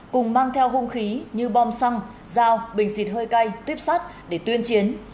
cùng mang theo hung khí như bom xăng dao bình xịt hơi cay tuyếp sắt để tuyên chiến